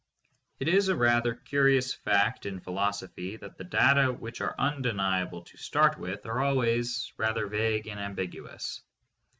It is a rather curious fact in philosophy that the data which are undeniable to start with are always rather vague and ambiguous.